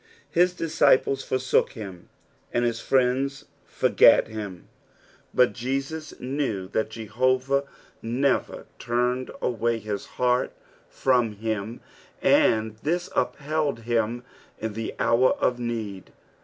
His dUciplea fonook him, koA bis friends forgat tiim, but Jesns knew that Jehovah nerer turned awaj his heart from him, and this upheld him in the hour of need.